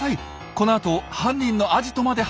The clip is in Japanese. このあと犯人のアジトまで発見。